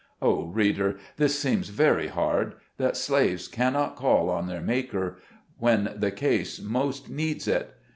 Oh, reader! this seems very hard — that slaves cannot call on their Maker, when the case most needs it.